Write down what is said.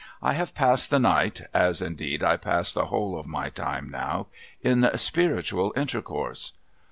I have passed the night — as indeed I pass the whole of my time now — in spiritual intercourse.'